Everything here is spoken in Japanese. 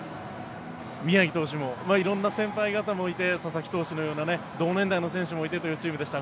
宮城投手も色んな先輩方もいて佐々木投手のような同年代の選手もいてというチームでした。